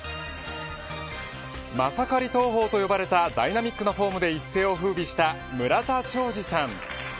マサカリ投法と呼ばれたダイナミックなフォームで一世を風靡した村田兆治さん。